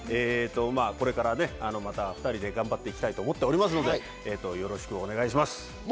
これからまた２人で頑張っていきたいと思っておりますので、よろしくお願いします。